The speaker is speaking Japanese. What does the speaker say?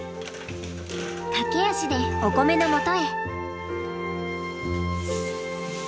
駆け足でおこめのもとへ。